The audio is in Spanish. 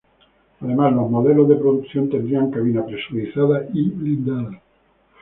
Además, los modelos de producción tendrían cabina presurizada y blindada.